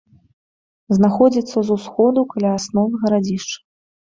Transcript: Знаходзіцца з усходу каля асновы гарадзішча.